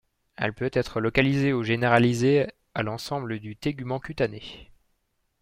Elle peut être localisée ou généralisée à l'ensemble du tégument cutané.